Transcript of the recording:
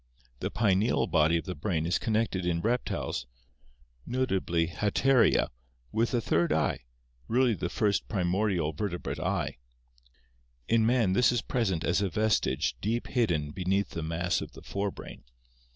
The pineal body of the brain is connected in reptiles, notably Halkria, with a third eye, really the first pri mordial vertebrate eye. In man this is present as a vestige deep hidden beneath the mass of the fore brain.